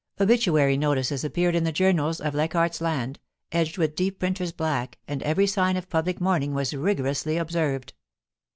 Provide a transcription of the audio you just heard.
Obituary notices appeared in the journals of Leichaidt's I^nd, edged with deep printer's black, and every sign of public mourning was rigorously observed.